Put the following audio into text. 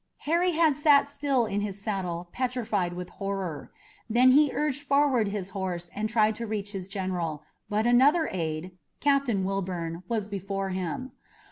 Harry had sat still in his saddle, petrified with horror. Then he urged forward his horse and tried to reach his general, but another aide, Captain Wilbourn, was before him.